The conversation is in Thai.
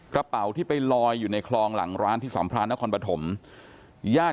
กระเป๋าที่ไปลอยอยู่ในคลองหลังร้านที่สัมพรานนครปฐมญาติ